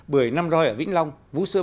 bưởi năm roi ở vĩnh long vú sữa